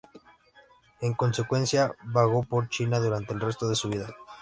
En consecuencia, vagó por China durante el resto su vida.